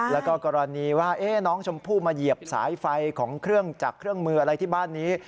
แล้วก็กรณีว่าน้องชมพู่มาเหยียบสายไฟของเครื่องจักรเครื่องมืออะไรที่บ้านนี้